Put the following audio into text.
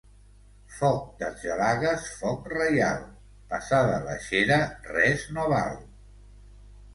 Foc d'argelagues, foc reial, passada la xera res no val.